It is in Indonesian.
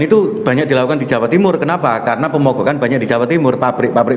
itu banyak dilakukan di jawa timur kenapa karena pemogokan banyak di jawa timur pabrik pabrik